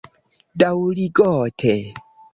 Daŭrigote